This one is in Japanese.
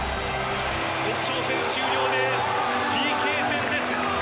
延長戦終了でＰＫ戦です。